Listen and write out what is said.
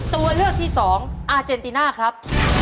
ตัวเลือกที่สองอาเจนติน่าครับ